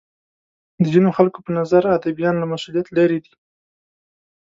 د ځینو خلکو په نظر ادیبان له مسولیت لرې دي.